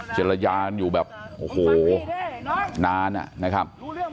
จรยานอยู่แบบโอ้โหนานนะครับ